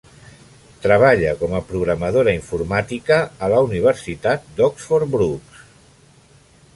Treballa com a programadora informàtica a la Universitat d'Oxford Brookes.